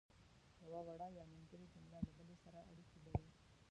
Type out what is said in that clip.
یوه وړه یا نیمګړې جمله له بلې سره اړیکې لري.